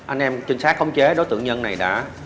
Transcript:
anh em trinh sát khống chế đối tượng nhân này đã